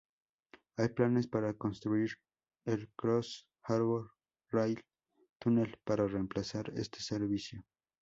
Hay planes para construir el Cross-Harbor Rail Tunnel para reemplazar este servicio.